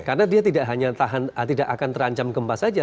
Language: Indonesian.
karena dia tidak hanya tahan tidak akan terancam gempa saja